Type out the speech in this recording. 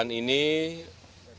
pak perangkat apa